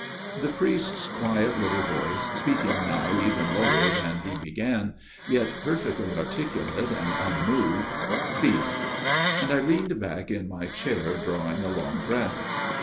The priest's quiet little voice, speaking now even lower than he began, yet perfectly articu late and unmoved, ceased ; and I leaned back in my chair drawing a long breath.